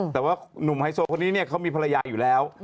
แต่ว่าหนุ่มไฮโซคนนี้เนี่ยเขามีภรรยาอยู่แล้ว